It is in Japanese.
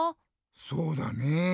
そうだねぇ。